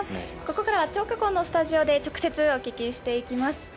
ここからは張家口のスタジオから直接お聞きしていきます。